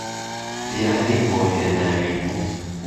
دیاریم بۆ هێناوی